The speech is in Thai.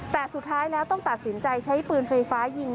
แต่สุดท้ายแล้วต้องตัดสินใจใช้ปืนไฟฟ้ายิง